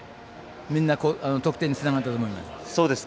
みんな得点につながったと思います。